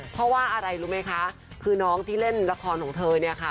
เพราะว่าอะไรรู้ไหมคะคือน้องที่เล่นละครของเธอเนี่ยค่ะ